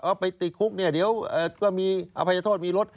ว่าไปติดคุกเดี๋ยวก็มีอภัยโทษมีลด